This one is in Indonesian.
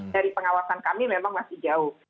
dari pengawasan kami memang masih jauh